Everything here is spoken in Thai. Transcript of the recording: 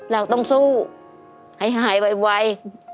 เราต้องสู้ให้หายไว